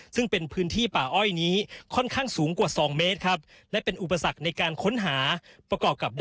ซึ่งเป็นพื้นที่ป่าอ้อยนี้ค่อนข้างสูงกว่า๒เมตรครับ